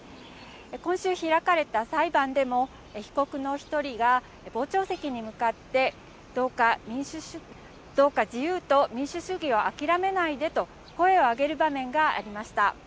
今週開かれた裁判でも、被告の一人が、傍聴席に向かって、どうか自由と民主主義を諦めないでと、声を上げる場面がありました。